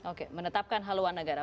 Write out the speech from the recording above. oke menetapkan haluan negara